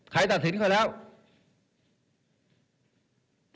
ขายตัดสินเขราะเนี่ย